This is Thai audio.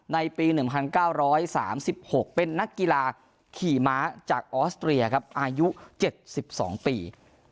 ในปี๑๙๓๖เป็นนักกีฬาขี่ม้าจากออสเตรียครับอายุ๗๒ปี